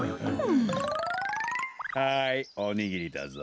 はいおにぎりだぞ。